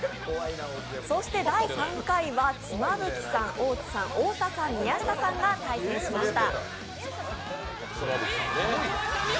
そして第３回は妻夫木さん、大津さん、太田さん宮下さんが対戦しました。